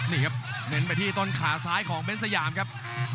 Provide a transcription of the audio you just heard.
นี่ครับเน้นไปที่ต้นขาซ้ายของเบ้นสยามครับ